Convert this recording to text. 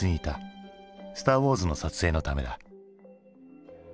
「スター・ウォーズ」の撮影のためだ。